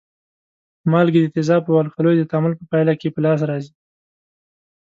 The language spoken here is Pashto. مالګې د تیزابو او القلیو د تعامل په پایله کې په لاس راځي.